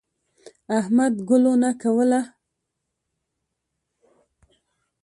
احمد ګلو نه کوله.